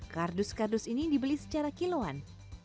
kardus kardus ini dibeli secara kilo an